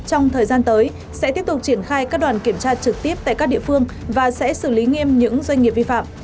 trong thời gian tới sẽ tiếp tục triển khai các đoàn kiểm tra trực tiếp tại các địa phương và sẽ xử lý nghiêm những doanh nghiệp vi phạm